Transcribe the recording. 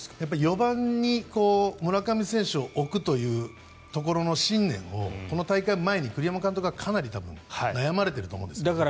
４番に村上選手を置くというところの信念をこの大会前に栗山監督はかなり悩まれていると思うんです。